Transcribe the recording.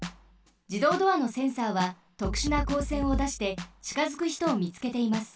じどうドアのセンサーはとくしゅなこうせんをだしてちかづくひとをみつけています。